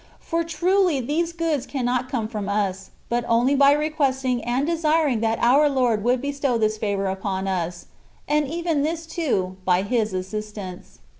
For truly these goods can not come from us, but only by requesting and desiring that our Lord would bestow this favour upon us, and even this, too, by His assistance.